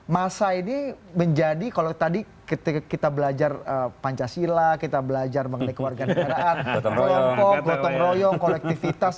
masa ini menjadi kalau tadi kita belajar pancasila kita belajar mengenai kewarganegaraan kelompok gotong royong kolektivitas